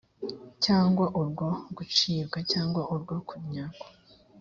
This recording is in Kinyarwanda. cyangwa urwo gucibwa cyangwa urwo kunyagwa